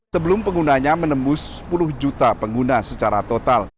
sebelum penggunanya menembus sepuluh juta pengguna secara total